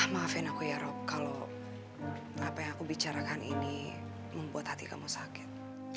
maafin aku ya rob kalau apa yang aku bicarakan ini membuat hati kamu sakit